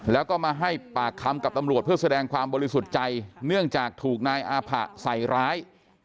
แล้วก็มาให้ปากคำกับตำรวจเพื่อแสดงความบริสุทธิ์ใจเนื่องจากถูกนายอาผะใส่ร้าย